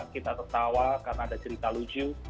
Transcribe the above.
kita tertawa karena ada cerita lucu